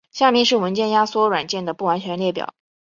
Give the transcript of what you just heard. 下面是文件压缩软件的不完全列表。